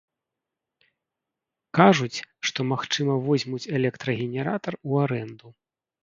Кажуць, што, магчыма, возьмуць электрагенератар ў арэнду.